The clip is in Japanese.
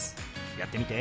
やってみて。